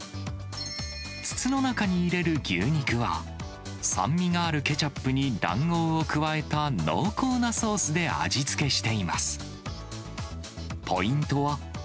筒の中に入れる牛肉は、酸味があるケチャップに卵黄を加えた濃厚なソースで味付けしています。